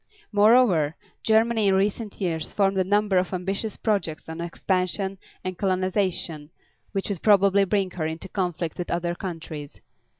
Moreover, Germany in recent years formed a number of ambitious projects of expansion and colonization which would probably bring her into conflict with other countries.